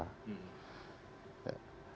lalu ada ayat satunya mengatakan bahwa